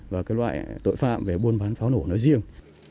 và cái loại tội phạm về buôn bán pháo nổ nói riêng